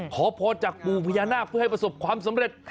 ขอพรจากปู่พญานาคเพื่อให้ประสบความสำเร็จ